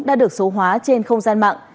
đã được số hóa trên không gian mạng